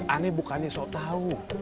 aneh bukannya sok tau